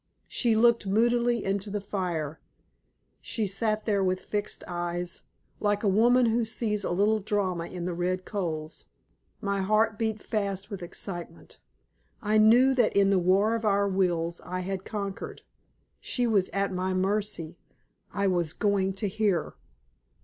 She looked moodily into the fire. She sat there with fixed eyes, like a woman who sees a little drama in the red coals. My heart beat fast with excitement. I knew that in the war of our wills I had conquered. She was at my mercy. I was going to hear.